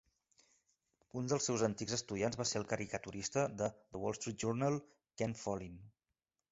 Un dels seus antics estudiants va ser el caricaturista de "The Wall Street Journal", Ken Fallin.